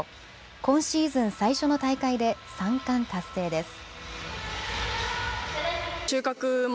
今シーズン最初の大会で３冠達成です。